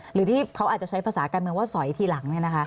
หรือที่เขาอาจจะใช้ภาษาการเมืองว่าสอยทีหลัง